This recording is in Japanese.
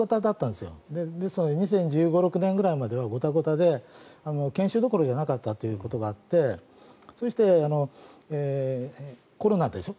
ですので２０１５１６年ぐらいまではごたごたで研修どころじゃなかったということがあってそして、コロナでしょ